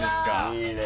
いいね。